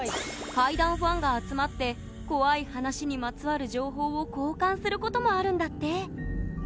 怪談ファンが集まって怖い話にまつわる情報を交換することもあるんだって！